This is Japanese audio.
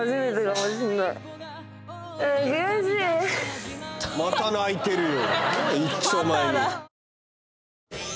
悔しいまた泣いてるよ